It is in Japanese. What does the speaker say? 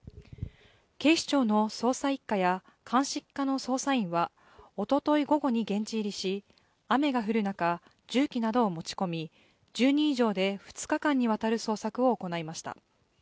警視庁の捜査一課や鑑識課の捜査員はおととい午後に現地入りし、雨が降る中重機などを持ち込み１０人以上で２日間にわたる捜索を行いました。